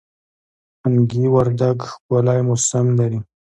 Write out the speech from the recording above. تنگي وردک ښکلی موسم لري